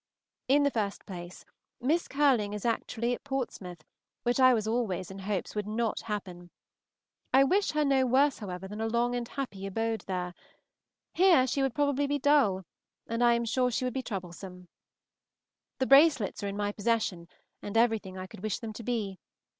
In the first place, Miss Curling is actually at Portsmouth, which I was always in hopes would not happen. I wish her no worse, however, than a long and happy abode there. Here she would probably be dull, and I am sure she would be troublesome. The bracelets are in my possession, and everything I could wish them to be.